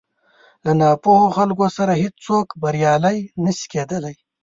له ناپوهو خلکو سره هېڅ څوک بريالی نه شي کېدلی.